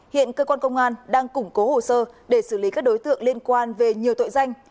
hiện cơ quan công an đang củng cố hồ sơ để xử lý các đối tượng liên quan về nhiều tội danh